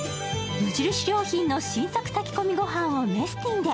無印良品の新作炊き込みごはんをメスティンで。